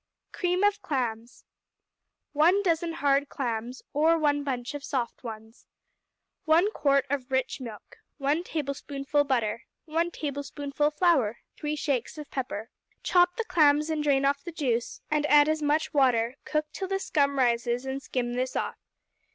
Cream of Clams 1 dozen hard clams, or one bunch of soft ones. 1 quart of rich milk. 1 tablespoonful butter. 1 tablespoonful flour. 3 shakes of pepper. Chop the clams and drain off the juice and add as much water; cook till the scum rises, and skim this off.